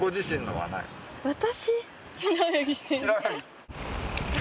私？